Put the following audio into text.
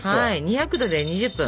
２００℃で２０分。